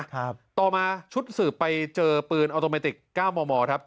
ต่อมาชุดสืบไปเจอปืนออโตเมติกเก้ามอมอครับ